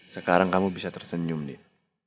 sekarang kamu bisa tersenyum nih